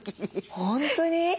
本当に？